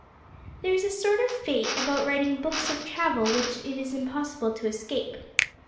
There is a sort of fate about writing books of travel which it is impossible to escape.